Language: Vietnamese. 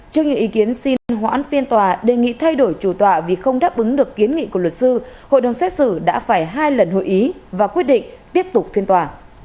trước những ý kiến xin hoãn phiên tòa đề nghị thay đổi chủ tòa vì không đáp ứng được kiến nghị của luật sư hội đồng xét xử đã phải hai lần hội ý và quyết định tiếp tục phiên tòa